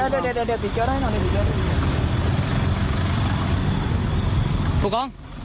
เดี๋ยวปิดเจ้าได้หน่อย